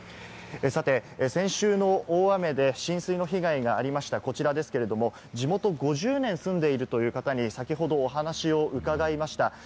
さて、先週の大雨で浸水の被害がありました、こちらですけれども、地元、５０年住んでいるという方に先ほどお話を伺いました。